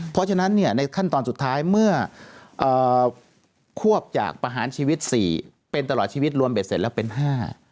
เพราะฉะนั้นเนี่ยในขั้นตอนสุดท้ายเมื่อควบจากประหารชีวิตสี่เป็นตลอดชีวิตรวมเบ็ดเสร็จแล้วเป็นห้า